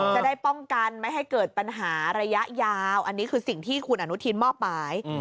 จะได้ป้องกันไม่ให้เกิดปัญหาระยะยาวอันนี้คือสิ่งที่คุณอนุทินมอบหมาย